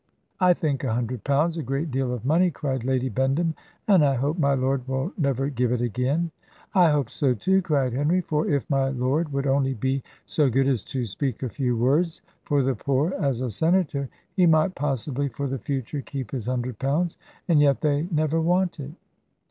"I think a hundred pounds a great deal of money," cried Lady Bendham; "and I hope my lord will never give it again." "I hope so too," cried Henry; "for if my lord would only be so good as to speak a few words for the poor as a senator, he might possibly for the future keep his hundred pounds, and yet they never want it."